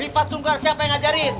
rifat sungguhan siapa yang ngajarin